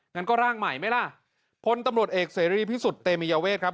งั้นก็ร่างใหม่ไหมล่ะพลตำรวจเอกเสรีพิสุทธิเตมียเวทครับ